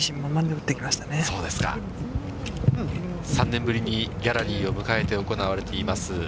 ３年ぶりにギャラリーを迎えて行われています